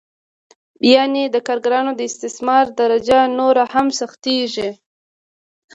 یانې د کارګرانو د استثمار درجه نوره هم سختېږي